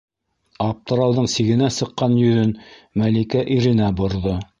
- Аптырауҙың сигенә сыҡҡан йөҙөн Мәликә иренә борҙо.